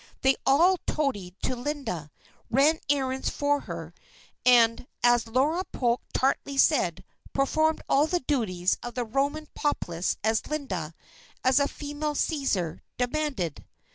They all toadied to Linda, ran errands for her, and as Laura Polk tartly said, "performed all the duties of the Roman populace as Linda, as a female Cæsar, demanded."